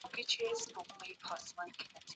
حکومت به خپلي نوي تګلاري پلي کوي.